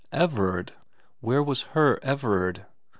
Everard where was her Everard